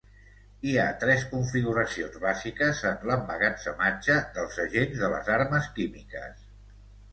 Hi ha tres configuracions bàsiques en l'emmagatzematge dels agents de les armes químiques.